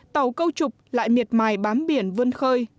tàu câu trục lại miệt mài bám biển vươn khơi